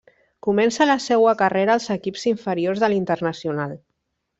Comença la seua carrera als equips inferiors de l'Internacional.